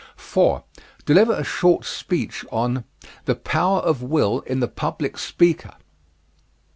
4. Deliver a short speech on "The Power of Will in the Public Speaker."